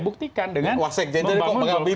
buktikan dengan membangun gokart